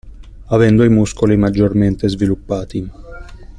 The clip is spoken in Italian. Avendo i muscoli maggiormente sviluppati.